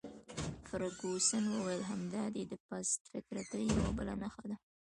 فرګوسن وویل: همدا دي د پست فطرتۍ یوه بله نښه ده.